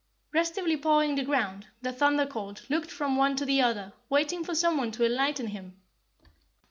Restively pawing the ground, the Thunder Colt looked from one to the other waiting for someone to enlighten him.